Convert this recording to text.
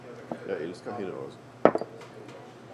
jeg elsker hende også!